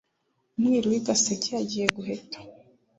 umwíru w 'i gaséke yagiiye guheta